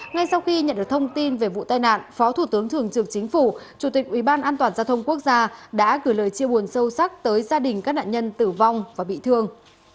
ngay sau khi nhận được thông tin về vụ tai nạn phó thủ tướng thường trưởng chính phủ chủ tịch ubndgq đã gửi lời chia buồn sâu sắc tới gia đình các nạn nhân tử vong và bị thương